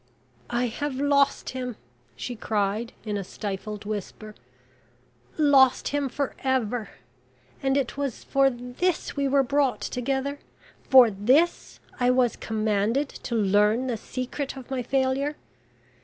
"I have lost him," she cried, in a stifled whisper. "Lost him for ever... and it was for this we were brought together... For this I was commanded to learn the secret of my failure.